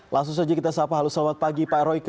langsung saja kita sahabat selamat pagi pak royke